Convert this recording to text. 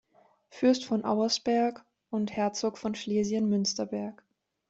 Fürst von Auersperg und Herzog von Schlesien-Münsterberg.